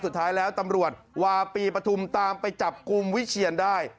สุดท้ายแล้วตำรวจวาปีปฐุมตามไปจับกลุ่มวิเชียนได้